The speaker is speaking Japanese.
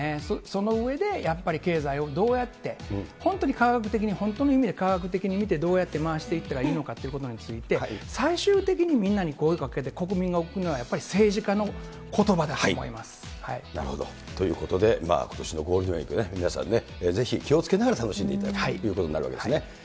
その上で、やっぱり経済をどうやって、本当に科学的に、本当の意味で科学的に見て、本当にどうやって回していったらいいのかということについて、最終的にみんなに声かけて、国民が聞くのは政治家のことばだなるほど。ということで、ことしのゴールデンウィークね、皆さんね、ぜひ気をつけながら楽しんでいただきたいということになるわけですね。